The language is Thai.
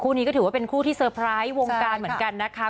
นี้ก็ถือว่าเป็นคู่ที่เซอร์ไพรส์วงการเหมือนกันนะคะ